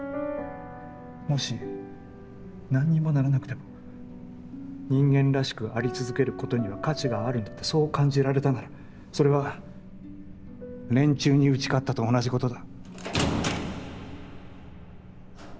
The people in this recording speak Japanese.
もし何にもならなくても人間らしく在り続けることには価値があるんだってそう感じられたならそれは連中に打ち勝ったと同じことだ。